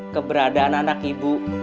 keberadaan anak ibu